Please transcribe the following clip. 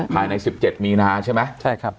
ภายใน๑๗มีนาใช่ไหมใช่ครับ